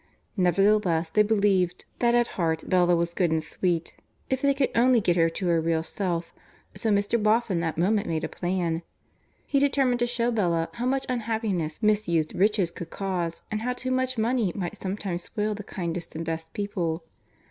Nevertheless they believed that at heart Bella was good and sweet, if they could only get to her real self, so Mr. Boffin that moment made a plan. He determined to show Bella how much unhappiness misused riches could cause, and how too much money might sometimes spoil the kindest and best people.